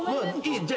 じゃあ。